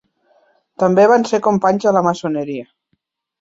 També van ser companys a la maçoneria.